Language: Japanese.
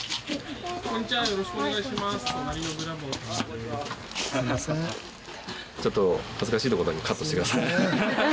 ちょっと恥ずかしいとこだけカットしてください。